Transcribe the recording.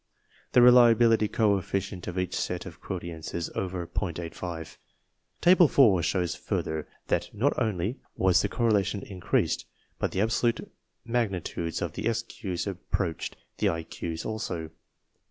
The reliability coefficient of each set of quotients is over .85. Table 4 shows further that not only was the correlation increased, but the absolute magnitudes of the SQ's approached the IQ's also.